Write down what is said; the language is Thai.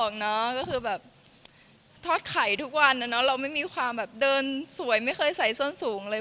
ก็คือแบบทอดไข่ทุกวันนะเนอะเราไม่มีความแบบเดินสวยไม่เคยใส่ส้นสูงเลย